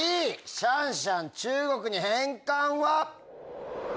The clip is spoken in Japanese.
「シャンシャン中国に返還」は？